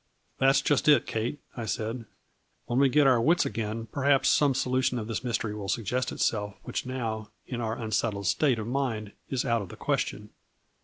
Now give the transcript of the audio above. " That 's just it, Kate," I said. "When we get our wits again perhaps some solution of this mystery will suggest itself which now, in our unsettled state of mind, is out of the question."